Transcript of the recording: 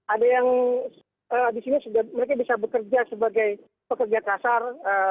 ada yang di sini mereka bisa bekerja sebagai pekerja kasar